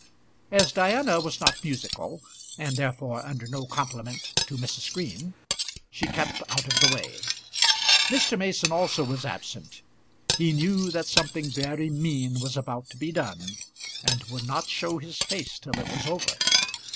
As Diana was not musical, and therefore under no compliment to Mrs. Green, she kept out of the way. Mr. Mason also was absent. He knew that something very mean was about to be done, and would not show his face till it was over.